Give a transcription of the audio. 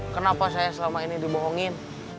kenapa saya selama ini dibohongin